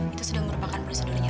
itu sudah merupakan prosedurnya